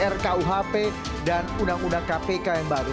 rkuhp dan undang undang kpk yang baru